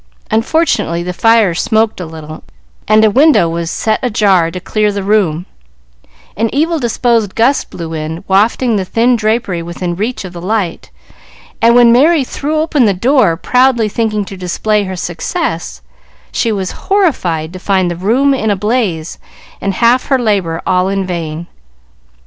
Unfortunately, the fire smoked a little, and a window was set ajar to clear the room; an evil disposed gust blew in, wafting the thin drapery within reach of the light, and when Merry threw open the door proudly thinking to display her success, she was horrified to find the room in a blaze, and half her labor all in vain.